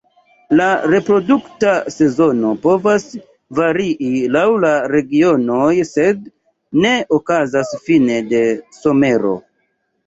La reprodukta sezono povas varii laŭ la regionoj sed ne okazas fine de somero.